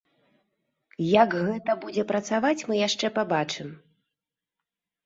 Як гэта будзе працаваць, мы яшчэ пабачым.